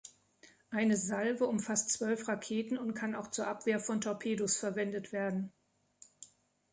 Eine Salve umfasst zwölf Raketen und kann auch zur Abwehr von Torpedos verwendet werden.